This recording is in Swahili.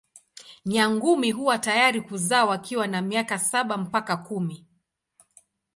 Nyangumi huwa tayari kuzaa wakiwa na miaka saba mpaka kumi.